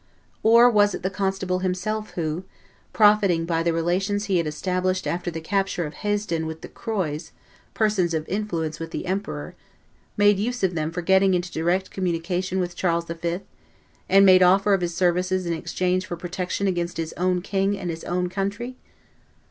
Or was it the constable himself who, profiting by the relations he had established after the capture of Hesdin with the Croys, persons of influence with the emperor, made use of them for getting into direct communication with Charles V., and made offer of his services in exchange for protection against his own king and his own country?